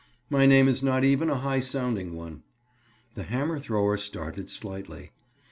"My name is not even a high sounding one." The hammer thrower started slightly.